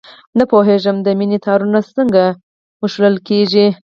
نه پوهېږم، د مینې تارونه څنګه شلول.